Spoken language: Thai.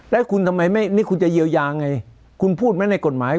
แล้วคุณทำไมไม่นี่คุณจะเยียวยาไงคุณพูดไหมในกฎหมาย